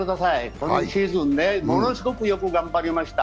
このシーズン、ものすごくよく頑張りました。